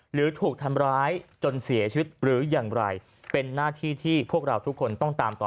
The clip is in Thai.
หรือถูกทำร้ายจนเสียชีวิตหรืออย่างไรเป็นหน้าที่ที่พวกเราทุกคนต้องตามต่อ